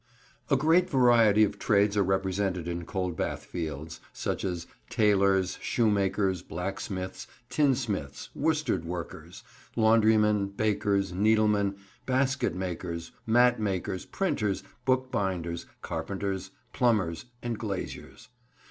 A GREAT variety of trades are represented in Coldbath Fields—such as tailors, shoemakers, blacksmiths, tinsmiths, worsted workers, laundrymen, bakers, needlemen, basket makers, mat makers, printers, bookbinders, carpenters, plumbers, and glaziers.